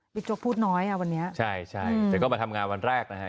โจ๊กพูดน้อยอ่ะวันนี้ใช่ใช่แต่ก็มาทำงานวันแรกนะฮะ